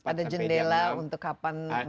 ada jendela untuk kapan